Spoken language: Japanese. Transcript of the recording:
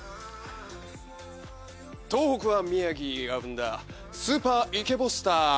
東北は宮城が生んだスーパーイケボスター。